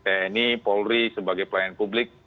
ini polri sebagai pelayanan publik